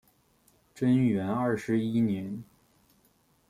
贞元二十一年